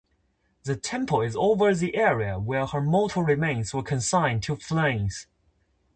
The temple is over the area where her mortal remains were consigned to flames.